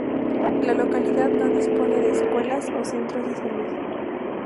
La localidad no dispone de escuelas o centros de salud.